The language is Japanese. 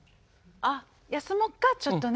あっ休もっかちょっとね。